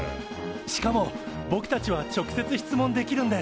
しかもぼくたちは直接質問できるんです。